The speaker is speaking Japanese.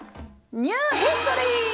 ニューヒストリー！